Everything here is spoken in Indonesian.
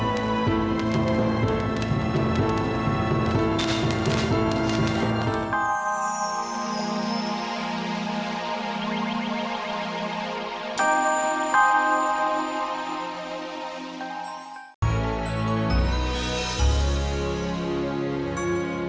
jangan pernah lagi deketin gue